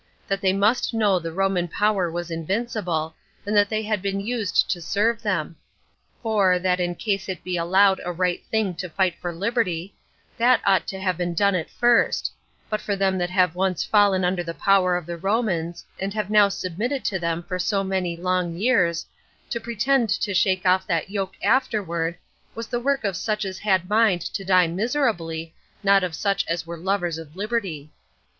That they must know the Roman power was invincible, and that they had been used to serve them; for, that in case it be allowed a right thing to fight for liberty, that ought to have been done at first; but for them that have once fallen under the power of the Romans, and have now submitted to them for so many long years, to pretend to shake off that yoke afterward, was the work of such as had a mind to die miserably, not of such as were lovers of liberty.